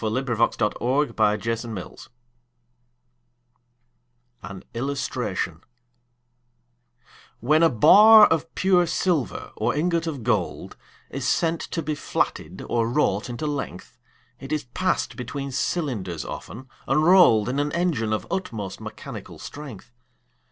William Cowper The Flatting Mill An Illustration WHEN a bar of pure silver or ingot of gold Is sent to be flatted or wrought into length, It is pass'd between cylinders often, and roll'd In an engine of utmost mechanical strength.